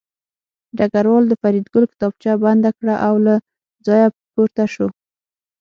ډګروال د فریدګل کتابچه بنده کړه او له ځایه پورته شو